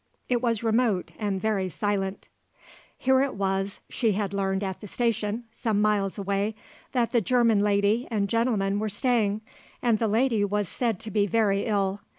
It was remote and very silent. Here it was, she had learned at the station, some miles away, that the German lady and gentleman were staying, and the lady was said to be very ill.